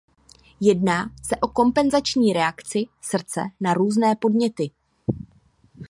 Jedná se o kompenzační reakci srdce na různé podněty.